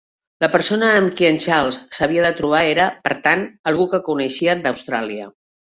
La persona amb qui en Charles s'havia de trobar era, per tant, algú que coneixia d'Austràlia.